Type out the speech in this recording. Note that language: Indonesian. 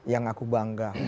yang aku bangga